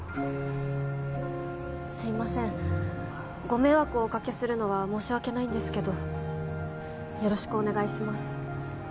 すいませんご迷惑をおかけするのは申し訳ないんですけどよろしくお願いします